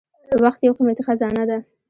• وخت یو قیمتي خزانه ده.